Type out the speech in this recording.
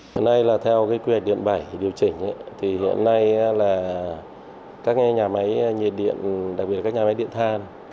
hôm nay là theo quyền điện bảy điều chỉnh thì hiện nay là các nhà máy nhiệt điện đặc biệt là các nhà máy điện than